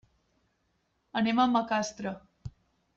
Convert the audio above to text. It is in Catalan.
Anem a Macastre.